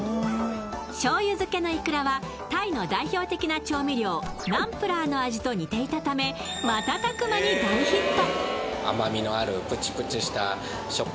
しょうゆ漬けのいくらはタイの代表的な調味料ナンプラーの味と似ていたため、瞬く間に大ヒット。